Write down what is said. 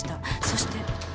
そして」